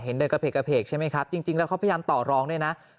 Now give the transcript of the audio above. เดินกระเพกกระเพกใช่ไหมครับจริงแล้วเขาพยายามต่อรองด้วยนะ